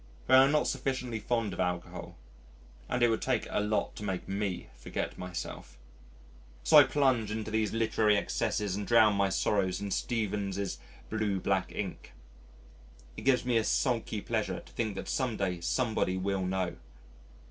But I am not sufficiently fond of alcohol (and it would take a lot to make me forget myself). So I plunge into these literary excesses and drown my sorrows in Stephens' Blue black Ink. It gives me a sulky pleasure to think that some day somebody will know....